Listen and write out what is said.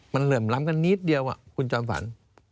มันเหลื่อมล้ำกันนิดเดียวคุณจอมฝัน